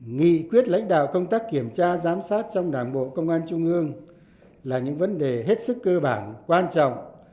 nghị quyết lãnh đạo công tác kiểm tra giám sát trong đảng bộ công an trung ương là những vấn đề hết sức cơ bản quan trọng